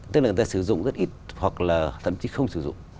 tức là người ta sử dụng rất ít hoặc là thậm chí không sử dụng